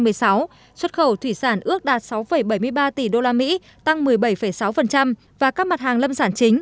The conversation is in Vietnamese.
xuất khẩu thủy sản ước đạt sáu bảy mươi ba tỷ usd tăng một mươi bảy sáu và các mặt hàng lâm sản chính